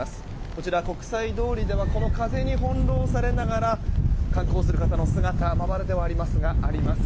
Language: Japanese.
こちら、国際通りでは風に翻弄されながら観光する人の姿まばらではありますがあります。